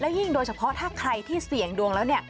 ยิ่งโดยเฉพาะถ้าใครที่เสี่ยงดวงแล้ว